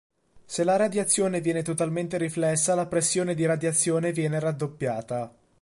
Se la radiazione viene totalmente riflessa, la pressione di radiazione viene raddoppiata.